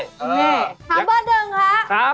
ถามเบอร์เดิงครับ